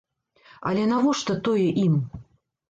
Але навошта тое ім?